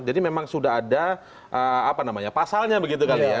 jadi memang sudah ada pasalnya begitu kali ya